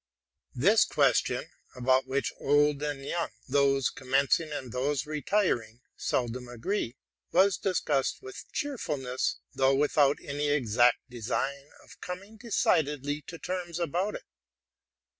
This question, about which old and young, those « commencing and those retiring, seldom agree, was discussed with cheerfulness, though without any exact design of coming decidedly to terms about it.